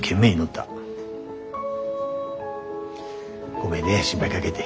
ごめんね心配かけて。